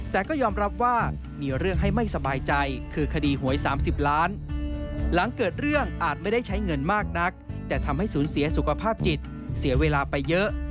แต่ก็ยอมรับว่ามีเรื่องให้ไม่สบายใจคือคดีหวย๓๐ล้านหลังเกิดเรื่องอาจไม่ได้ใช้เงินมากนักแต่ทำให้สูญเสียสุขภาพจิตเสียเวลาไปเยอะ